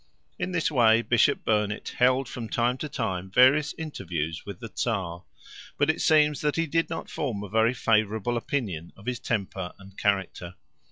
In this way Bishop Burnet held from time to time various interviews with the Czar, but it seems that he did not form a very favorable opinion of his temper and character.